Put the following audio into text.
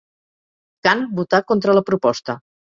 Kan votà contra la proposta.